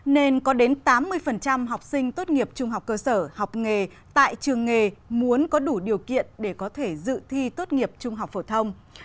nên có đến tám mươi học sinh tốt nghiệp trung học cơ sở học nghề tại trường nghề muốn có đủ điều kiện để có thể dự thi tốt nghiệp trung học phổ thông